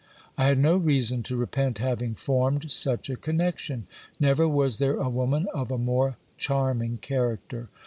I had no reason to repent having formed such a connection. Never was there a woman of a more charming character.